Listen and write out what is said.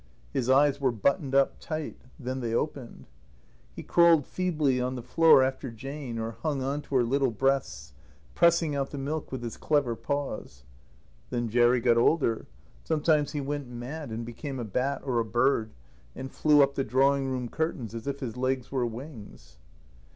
His eyes were buttoned up tight. Then they opened. He crawled feebly on the floor after Jane, or hung on to her little breasts, pressing out the milk with his clever paws. Then Jerry got older. Sometimes he went mad and became a bat or a bird, and flew up the drawing room curtains as if his legs were wings.